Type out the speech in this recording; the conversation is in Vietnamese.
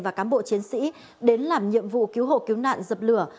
và cám bộ chiến sĩ đến làm nhiệm vụ cứu hộ cứu nạn dập lửa